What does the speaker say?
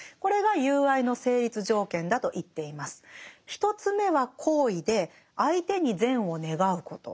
１つ目は好意で相手に善を願うこと。